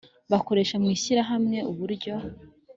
Bakoresha mu ishyirahamwe uburyo